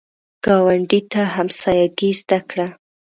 ګاونډي ته همسایګي زده کړه